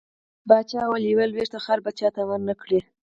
پاچا وويل: يوه لوېشت خاوړه به چاته ورنه کړه .